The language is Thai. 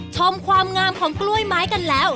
ชมความงามของกล้วยไม้กันแล้ว